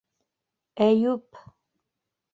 Әйүп!